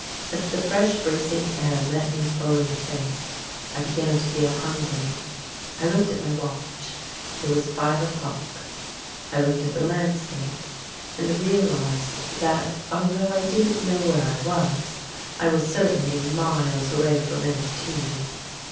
As the fresh bracing air met me full in the face, I began to feel hungry. I looked at my watch: it was five o'clock. I looked at the landscape, and realised that, though I didn't know where I was, I was certainly miles away from any tea.